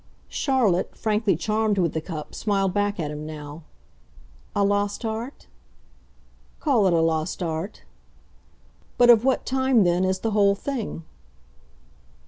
Charlotte, frankly charmed with the cup, smiled back at him now. "A lost art?" "Call it a lost art," "But of what time then is the whole thing?"